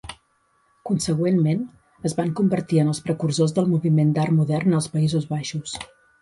Consegüentment, es van convertir en els precursors del moviment d'art modern als Països Baixos.